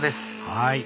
はい。